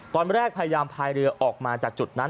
พยายามพายเรือออกมาจากจุดนั้น